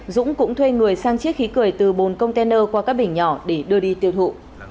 dũng cũng thuê người sang chiếc khí cười từ bồn container qua các bình nhỏ để đưa đi tiêu thụ